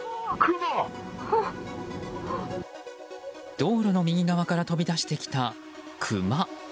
道路の右側から飛び出してきたクマ。